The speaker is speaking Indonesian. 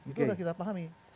itu sudah kita pahami